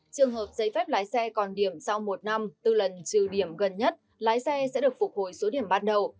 trường hợp giấy phép lái xe còn điểm sau một năm từ lần trừ điểm gần nhất lái xe sẽ được phục hồi số điểm ban đầu